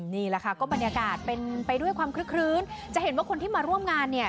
นี่แหละค่ะก็บรรยากาศเป็นไปด้วยความคลึกคลื้นจะเห็นว่าคนที่มาร่วมงานเนี่ย